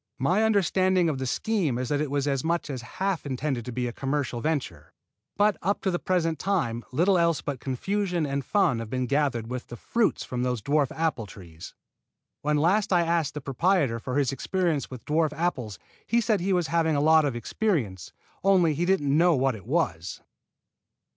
My understanding of the scheme is that it was as much as half intended to be a commercial venture; but up to the present time little else but confusion and fun have been gathered with the fruit from those dwarf apple trees. When last I asked the proprietor for his experience with dwarf apples he said that he was having a lot of experience, only he didn't know what it was.